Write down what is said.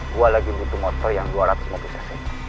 gue lagi butuh motor yang dua ratus lima puluh cc